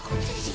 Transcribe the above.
kau bisa disini